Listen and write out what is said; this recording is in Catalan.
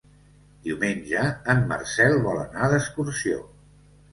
Diumenge en Marcel vol anar d'excursió.